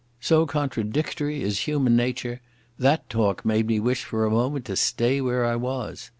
So contradictory is human nature, that talk made me wish for a moment to stay where I was.